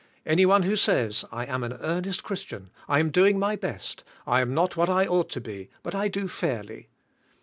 Any one who says, *'I am an earnest Christian, I am doing my best. I am not what I oug ht to be; but I do fairly."